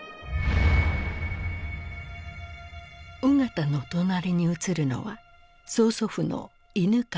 緒方の隣に写るのは曽祖父の犬養毅。